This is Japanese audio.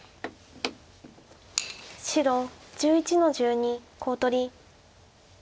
白１１の十二コウ取り。